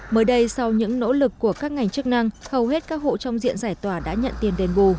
mới đây sau những nỗ lực của các ngành chức năng hầu hết các hộ trong diện giải tỏa đã nhận tiền đền bù